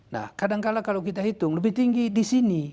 nah kadangkala kalau kita hitung lebih tinggi di sini